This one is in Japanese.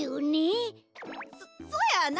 そそやな！